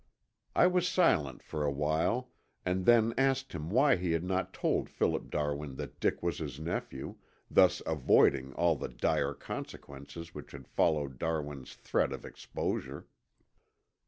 I was silent for a while and then asked him why he had not told Philip Darwin that Dick was his nephew, thus avoiding all the dire consequences which had followed Darwin's threat of exposure.